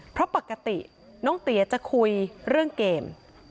เพราะปกติน้องเตี๋ยจะคุยเรื่องเกม